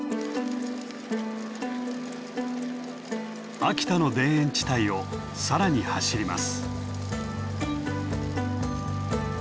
秋田の田園地帯を更に走ります。